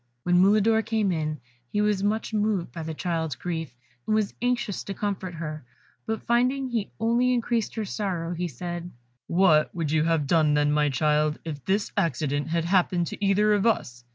When Mulidor came in, he was much moved by the child's grief, and was anxious to comfort her, but finding he only increased her sorrow, he said, "What would you have done, then, my child, if this accident had happened to either of us?